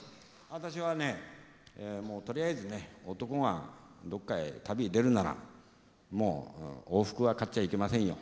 私はねもうとりあえずね男がどっかへ旅に出るならもう往復は買っちゃいけませんよ。